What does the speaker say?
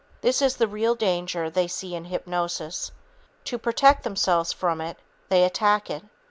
This is the real danger they see in hypnosis. To protect themselves from it, they attack it.